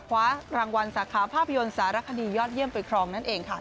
คว้ารางวัลสาขาภาพยนตร์สารคดียอดเยี่ยมไปครองนั่นเองค่ะ